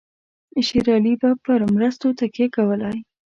شېر علي به پر مرستو تکیه کولای.